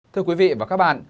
thưa quý vị và các bạn